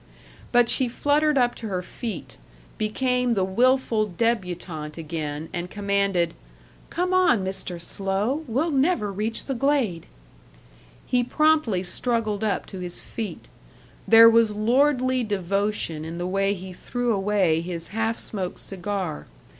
But she fluttered up to her feet, became the wilful débutante again, and commanded, "Come on, Mr. Slow! We'll never reach the Glade." He promptly struggled up to his feet. There was lordly devotion in the way he threw away his half smoked cigar.